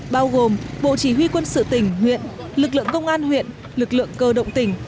bao gồm bộ chỉ huy quân sự tỉnh huyện lực lượng công an huyện lực lượng cơ động tỉnh